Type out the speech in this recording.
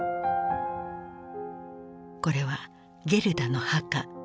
これはゲルダの墓。